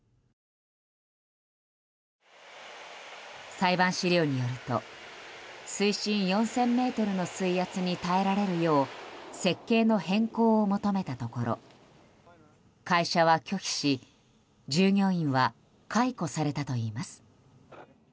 裁判資料によると水深４０００ｍの水圧に耐えられるよう設計の変更を求めたところ会社は拒否し従業員は解雇されたといいます。